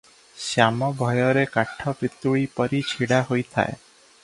ଶ୍ୟାମ ଭୟରେ କାଠ ପିତୁଳି ପରି ଛିଡ଼ା ହୋଇଥାଏ ।